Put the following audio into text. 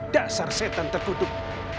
dasar setan terkutup